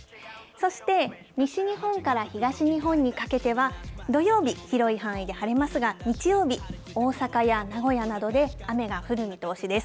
そして西日本から東日本にかけては、土曜日、広い範囲で晴れますが、日曜日、大阪や名古屋などで雨が降る見通しです。